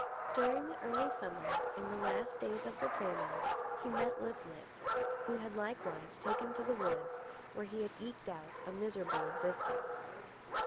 During the early summer, in the last days of the famine, he met Lip lip, who had likewise taken to the woods, where he had eked out a miserable existence.